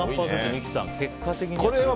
三木さん、結果的には。